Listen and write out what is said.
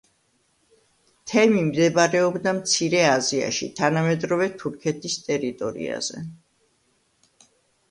თემი მდებარეობდა მცირე აზიაში, თანამედროვე თურქეთის ტერიტორიაზე.